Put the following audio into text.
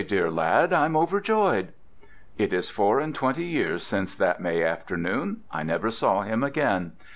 Dear lad, I'm overjoyed." It is four and twenty years since that May afternoon. I never saw him again.